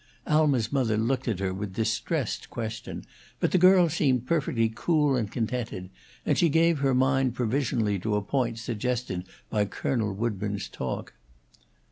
Alma's mother looked at her with distressed question, but the girl seemed perfectly cool and contented; and she gave her mind provisionally to a point suggested by Colonel Woodburn's talk.